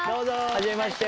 はじめまして。